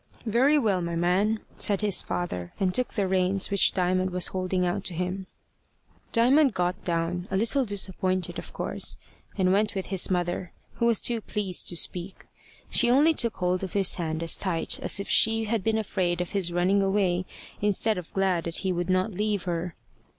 "Very well, my man," said his father, and took the reins which Diamond was holding out to him. Diamond got down, a little disappointed of course, and went with his mother, who was too pleased to speak. She only took hold of his hand as tight as if she had been afraid of his running away instead of glad that he would not leave her.